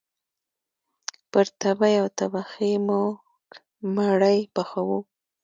پر تبۍ او تبخي موږ مړۍ پخوو